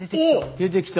出てきた。